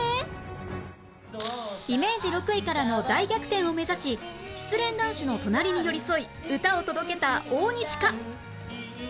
イメージ６位からの大逆転を目指し失恋男子の隣に寄り添い歌を届けた大西か？